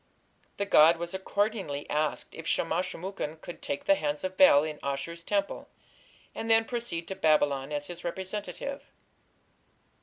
The god was accordingly asked if Shamash shum ukin could "take the hands of Bel" in Ashur's temple, and then proceed to Babylon as his representative.